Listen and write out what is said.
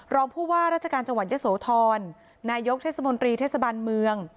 รองผู้ว่าราชการจังหวัดเยอะโสธรนายกเทศมนตรีเทศบาลเมือง